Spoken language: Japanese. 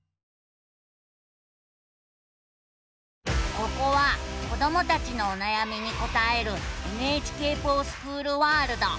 ここは子どもたちのおなやみに答える「ＮＨＫｆｏｒＳｃｈｏｏｌワールド」。